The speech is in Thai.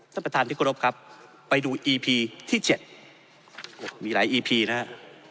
ท่านประธานที่กรบครับไปดูอีพีที่๗มีหลายอีพีนะฮะ